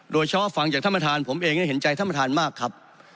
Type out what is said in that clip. โดยเฉพาะฟังจากท่านประธานผมเองเนี่ยเห็นใจท่านประธานมากครับ